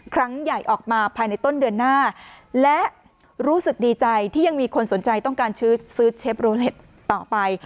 ครั้งใหญ่ออกมาภายในต้นเดือนหน้าและรู้สึกดีใจที่ยังมีคนสนใจต้องการซื้อเชฟโรเล็ตต่อไป